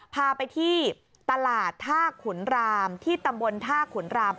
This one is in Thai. พาไปที่ตลาดท่าขุนรามที่ตำบลท่าขุนราม